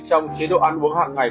trong chế độ ăn uống hạng ngày